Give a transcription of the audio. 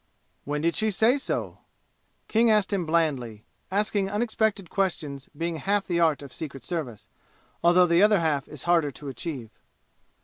"When did she say so?" King asked him blandly, asking unexpected questions being half the art of Secret Service, although the other half is harder to achieve.